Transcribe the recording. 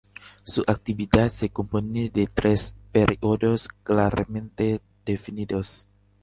Su actividad se compone de tres periodos claramente definidos.